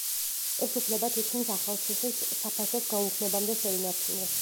ეს უფლება თითქმის ახალციხის საფაშოს გაუქმებამდე შეინარჩუნეს.